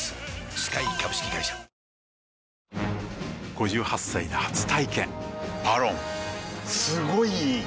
５８歳で初体験「ＶＡＲＯＮ」すごい良い！